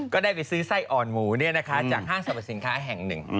ก็ได้ไปซื้อไส้อ่อนหมูจากห้างสรรพสินค้าแห่งหนึ่ง